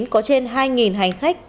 có trên hai hành khách